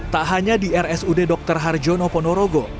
tak hanya di rsud dr harjono ponorogo